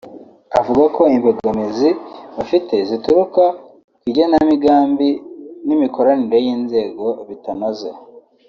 avuga ko imbogamizi bafite zituruka ku igenamigambi n’imikoranire y’inzego bitanoze